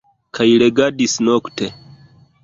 Kaj legadis nokte.